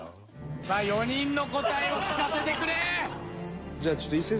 さあ４人の答えを聞かせてくれ。